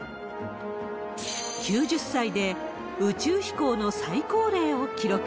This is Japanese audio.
９０歳で宇宙飛行の最高齢を記録。